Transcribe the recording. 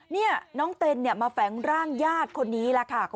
น้องเต็นมาแฝงร่างญาติคนนี้